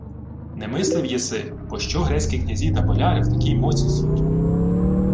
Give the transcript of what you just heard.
— Не мислив єси, пощо грецькі князі та боляри в такій моці суть?